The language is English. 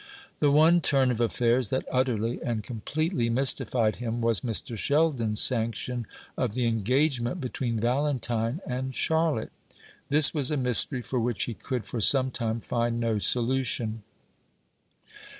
The one turn of affairs that utterly and completely mystified him was Mr. Sheldon's sanction of the engagement between Valentine and Charlotte. This was a mystery for which he could for some time find no solution.